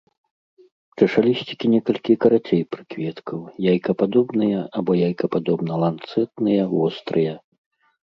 Чашалісцікі некалькі карацей прыкветкаў, яйкападобныя або яйкападобна-ланцэтныя, вострыя.